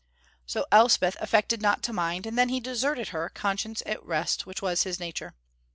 So Elspeth affected not to mind, and then he deserted her, conscience at rest, which was his nature.